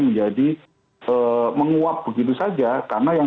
menjadi menguap begitu saja karena yang